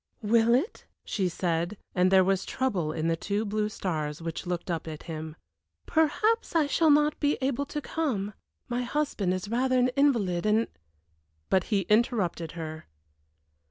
"Will it?" she said, and there was trouble in the two blue stars which looked up at him. "Perhaps I shall not be able to come; my husband is rather an invalid, and " But he interrupted her.